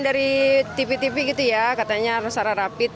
dari tv tv gitu ya katanya harus secara rapid